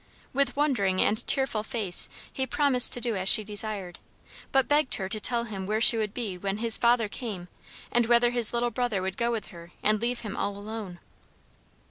With wondering and tearful face he promised to do as she desired, but begged her to tell him where she would be when his father came and whether his little brother would go with her and leave him all alone.